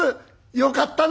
よかったな」。